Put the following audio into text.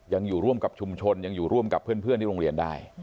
ยังอยู่ร่วมกับชุมชนยังอยู่ร่วมกับเพื่อนที่โรงเรียนได้